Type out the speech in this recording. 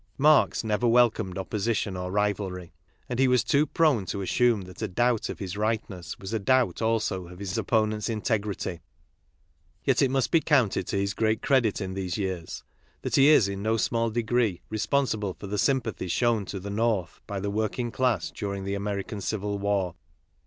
Marx never welcomed opposition or rivalry ; and he was too prone to assume that a doubt of his right ness was a doubt also of his opponent's integrity. Yet it must be counted to his great credit in these years that he is in no small degree responsible for the sympathy shown to the North by the working class during the American Civil War.